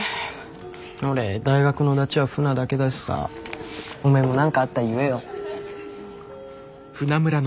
俺大学のダチはフナだけだしさおめえも何かあったら言えよ。